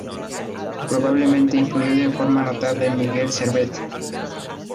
Probablemente influyó de forma notable en Miguel Servet.